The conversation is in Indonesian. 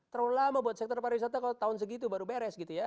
terlalu lama buat sektor pariwisata kalau tahun segitu baru beres gitu ya